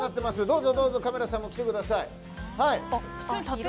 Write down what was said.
どうぞどうぞカメラさんも来てください。